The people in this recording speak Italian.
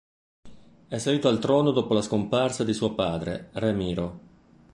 È salito al trono dopo la scomparsa di suo padre, Re Miro.